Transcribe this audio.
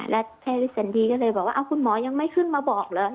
และแพทย์ฤทธิสันดีก็เลยบอกว่าคุณหมอยังไม่ขึ้นมาบอกเหรอ